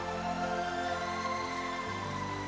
bagaimana kalau kita